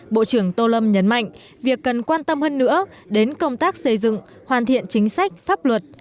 bộ trưởng tô lâm nhấn mạnh việc cần quan tâm hơn nữa đến công tác xây dựng hoàn thiện chính sách pháp luật